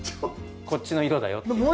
こっちの色だよって。